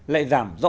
lại giảm hơn